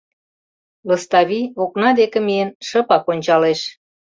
Лыставий, окна деке миен, шыпак ончалеш...